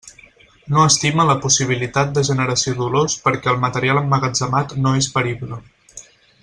No estima la possibilitat de generació d'olors perquè el material emmagatzemat no és perible.